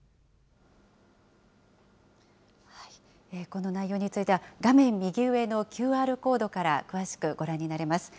この内容については、画面右上のＱＲコードから詳しくご覧になれます。